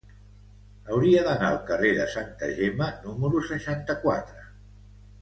Hauria d'anar al carrer de Santa Gemma número seixanta-quatre.